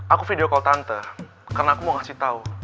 aku video call tante karena aku mau kasih tahu